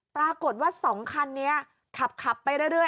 ปรากฏว่า๒คันนี้ขับไปเรื่อย